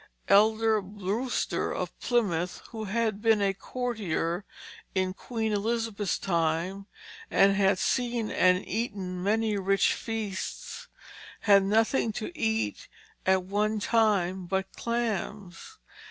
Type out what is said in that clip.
Elder Brewster of Plymouth, who had been a courtier in Queen Elizabeth's time, and had seen and eaten many rich feasts, had nothing to eat at one time but clams.